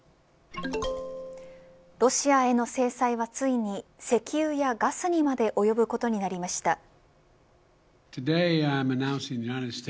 ロシアへの制裁はついに石油やガスにまで及ぶことになりました。